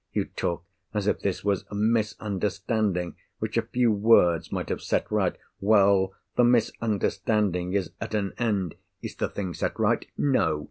You talk as if this was a misunderstanding which a few words might have set right! Well! the misunderstanding is at an end. Is the thing set right? No!